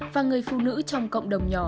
và người phụ nữ trong cộng đồng nhỏ